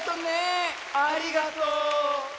ありがとう。